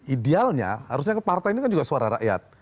idealnya harusnya partai ini kan juga suara rakyat